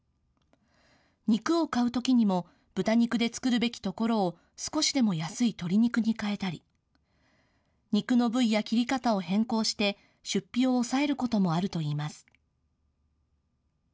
肉を買うときにも豚肉で作るべきところを少しでも安い鶏肉に替えたり肉の部位や切り方を変更して出費を抑えることもあるといいます。